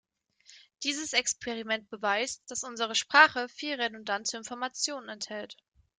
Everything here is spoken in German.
Dieses Experiment beweist, dass unsere Sprache viel redundante Information enthält.